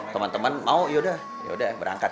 teman teman mau yaudah yaudah berangkat